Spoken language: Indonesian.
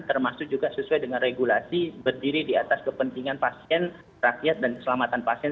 termasuk juga sesuai dengan regulasi berdiri di atas kepentingan pasien rakyat dan keselamatan pasien